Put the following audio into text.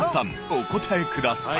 お答えください。